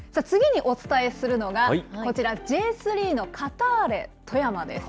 さあ、次にお伝えするのが、こちら、Ｊ３のカターレ富山です。